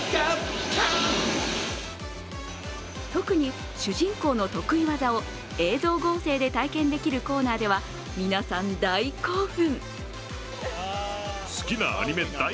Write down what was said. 特に主人公の得意技を映像合成で体験できるコーナーでは皆さん、大興奮。